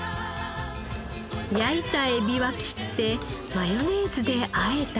焼いたエビは切ってマヨネーズで和えたら。